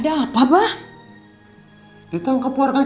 ketemu dimana obrigado